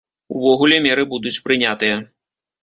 Увогуле, меры будуць прынятыя.